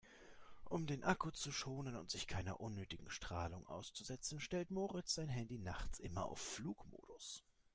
Um den Akku zu schonen und sich keiner unnötigen Strahlung auszusetzen, stellt Moritz sein Handy nachts immer auf Flugmodus.